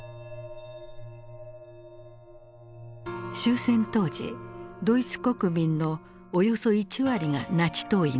終戦当時ドイツ国民のおよそ１割がナチ党員だった。